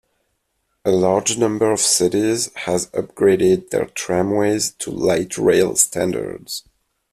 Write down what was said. A larger number of cities has upgraded their tramways to light rail standards.